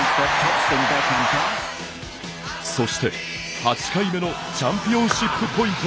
そして、８回目のチャンピオンシップポイント。